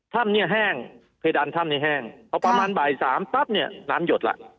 ถ้ำเนี่ยแห้งเพดานถ้ำนี้แห้งพอประมาณบ่ายสามปั๊บเนี่ยน้ำหยดละ